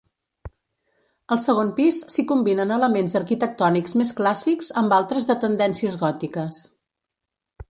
Al segon pis s'hi combinen elements arquitectònics més clàssics amb altres de tendències gòtiques.